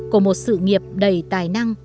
của một sự nghiệp đầy tài năng